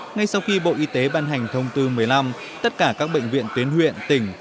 ngay sau khi bộ y tế ban hành thông tư một mươi năm tất cả các bệnh viện tuyến huyện tỉnh